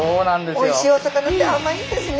おいしいお魚ってあまいんですね。